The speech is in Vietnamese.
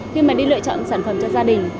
khi mà đi lựa chọn sản phẩm cho gia đình